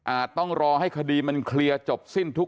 ต้องรอให้คดีมันเคลียร์จบสิ้นทุก